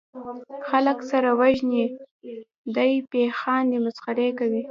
خلک سره وژني دي پې خاندي مسخرې کوي